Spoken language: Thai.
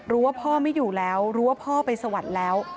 รู้ว่าพ่อไม่อยู่แล้วรู้ว่าพ่อไปสวัสดิ์แล้ว